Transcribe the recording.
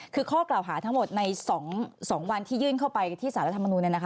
คือข้อกล่าวหาทั้งหมดใน๒วันที่ยื่นเข้าไปที่สารรัฐมนุน